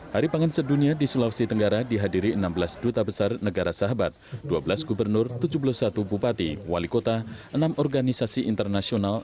hari pangan sedunia di sulawesi tenggara dihadiri enam belas duta besar negara sahabat dua belas gubernur tujuh puluh satu bupati wali kota enam organisasi internasional